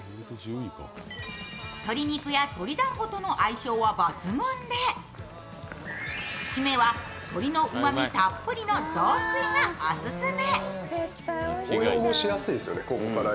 鶏肉や鶏だんごとの相性は抜群で締めは鶏のうまみたっぷりの雑炊がオススメ。